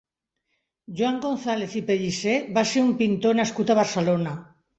Joan González i Pellicer va ser un pintor nascut a Barcelona.